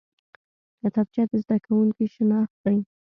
کتابچه د زده کوونکي شناخت دی